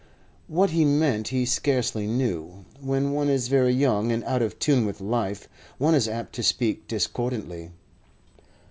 What he meant he scarcely knew. When one is very young and out of tune with life, one is apt to speak discordantly.